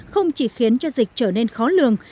không chỉ khiến cho dịch trở nên khó lường